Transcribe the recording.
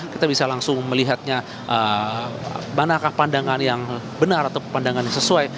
kita bisa langsung melihatnya manakah pandangan yang benar atau pandangan yang sesuai